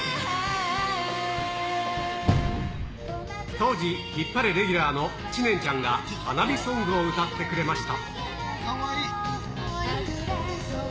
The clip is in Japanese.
当時、ヒッパレレギュラーの知念ちゃんが、花火ソングを歌ってくれました。